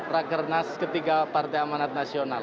rakernas ketiga partai amanat nasional